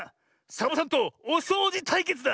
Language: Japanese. サボさんとおそうじたいけつだ！